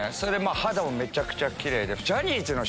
肌もめちゃくちゃキレイで。